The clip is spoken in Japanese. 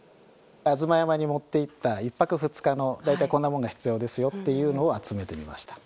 吾妻山に持っていった１泊２日の大体こんなものが必要ですよというのを集めてみました。